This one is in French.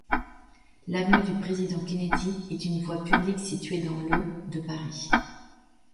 L'avenue du Président-Kennedy est une voie publique située dans le de Paris.